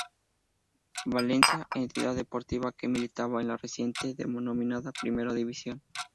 Valencia, entidad deportiva que militaba en la recientemente denominada Primera División.